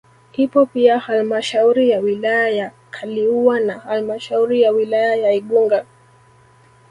Ipo pia halmashauri ya wilaya ya Kaliua na halmashauri ya wilaya ya Igunga